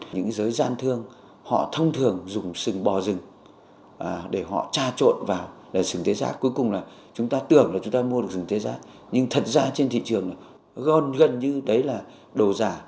những giới gian thương họ thông thường dùng sừng bò rừng để họ tra trộn vào là sừng tê giác cuối cùng là chúng ta tưởng là chúng ta mua được rừng tế rác nhưng thật ra trên thị trường gom gần như đấy là đồ giả